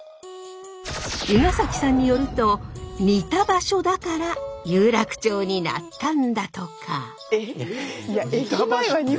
伊ケ崎さんによると似た場所だから有楽町になったんだとか。